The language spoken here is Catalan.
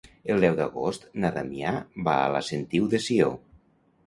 El deu d'agost na Damià va a la Sentiu de Sió.